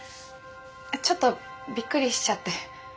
ちょっとびっくりしちゃって。